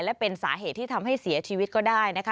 และเป็นสาเหตุที่ทำให้เสียชีวิตก็ได้นะคะ